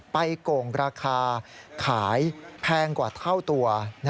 โก่งราคาขายแพงกว่าเท่าตัว